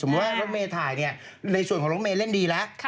สมมุติว่ารถเมธัยเนี่ยในส่วนของรถเมเล่นดีแล้ว